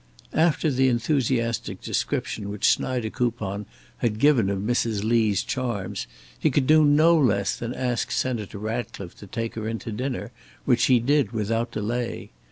After the enthusiastic description which Schneidekoupon had given of Mrs. Lee's charms, he could do no less than ask Senator Ratcliffe to take her in to dinner, which he did without delay.